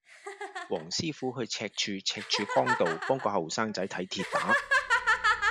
黃師傅去赤柱赤柱崗道幫個後生仔睇跌打